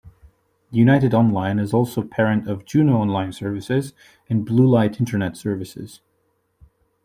United Online is also the parent of Juno Online Services and BlueLight Internet Services.